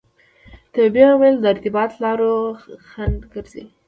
طبیعي عوامل د ارتباط لارو خنډ ګرځي.